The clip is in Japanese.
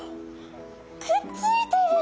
くっついてる！